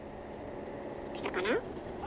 来たかな？